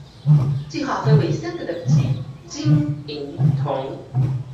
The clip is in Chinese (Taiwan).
計畫分為三個等級：金、銀、銅